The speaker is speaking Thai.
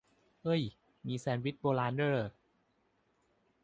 เฮ่ย มีแซนด์วิชโบราณด้วยเหรอ !